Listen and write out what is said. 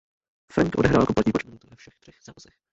Franck odehrál kompletní počet minut ve všech třech zápasech.